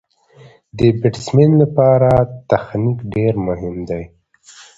د بېټسمېن له پاره تخنیک ډېر مهم دئ.